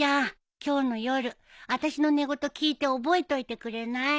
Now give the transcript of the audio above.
今日の夜あたしの寝言聞いて覚えといてくれない？